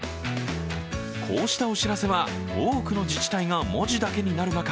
こうしたお知らせは多くの自治体が文字だけになる中